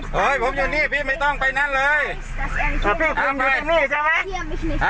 เฮ้ยผมอยู่นี่พี่ไม่ต้องไปนั่นเลยพี่คุมอยู่ที่นี่ใช่ไหม